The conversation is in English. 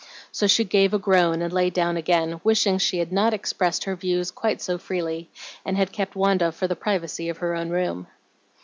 So she gave a groan and lay down again, wishing she had not expressed her views quite so freely, and had kept Wanda for the privacy of her own room.